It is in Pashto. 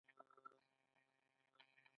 د پکتیا په څمکنیو کې د سمنټو مواد شته.